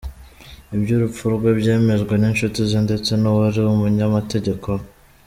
Iby’urupfu rwe byemejwe n’inshuti ze ndetse n’ uwari umunyamategeko we.